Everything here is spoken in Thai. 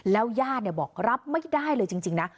แล้วย่านบอกรับไม่ได้เลยจริงนะ